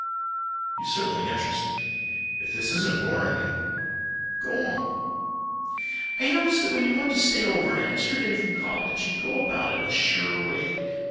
"You certainly interest me. If this isn't boring you, go on." "I notice that when you want to stay over an extra day from college you go about it in a sure way.